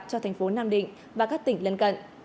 cho thành phố nam định và các tỉnh lân cận